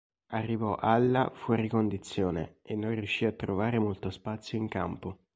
Arrivò alla fuori condizione e non riuscì a trovare molto spazio in campo.